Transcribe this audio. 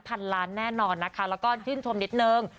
พันล้านแน่นอนนะคะแล้วก็ชื่นชมนิดนึง